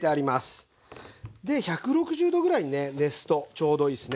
１６０℃ぐらいにね熱すとちょうどいいっすね。